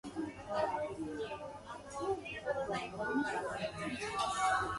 In those years it was officially a part of Zeddam.